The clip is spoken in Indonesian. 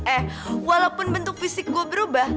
eh walaupun bentuk fisik gue berubah